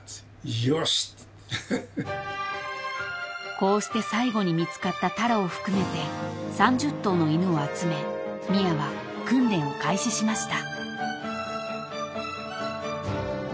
［こうして最後に見つかったタロを含めて３０頭の犬を集め宮は訓練を開始しました］